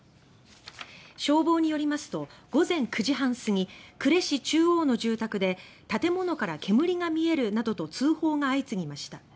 消防によりますと午前９時半すぎ呉市中央の住宅で建物から煙が見えるなどと通報が相次ぎました。